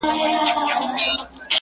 o د مرور برخه کونه ور خوري٫